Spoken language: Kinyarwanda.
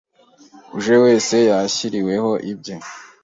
uje wese yishyirireho ibye.